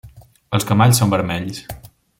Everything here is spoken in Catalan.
Els camalls són vermells.